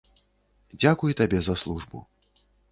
Дзякуй табе за службу!